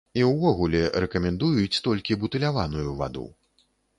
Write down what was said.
І ўвогуле рэкамендуюць толькі бутыляваную ваду.